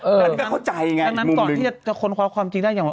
เอออันนี้แกเข้าใจไงอีกมุมหนึ่งดังนั้นก่อนที่จะค้นความความจริงได้อย่าง